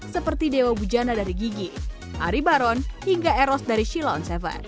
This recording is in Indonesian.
seperti dewa bujana dari gigi ari baron hingga eros dari shilon tujuh